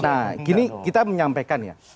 nah ini nah gini kita menyampaikan ya